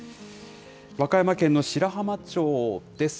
和歌山県の白浜町です。